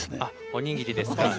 おにぎりですか。